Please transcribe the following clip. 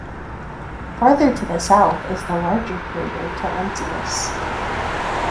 Farther to the south is the larger crater Taruntius.